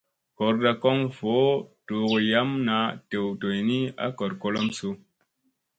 Goorda kon voo doogo yam naa dew doyni a goor kolom su ?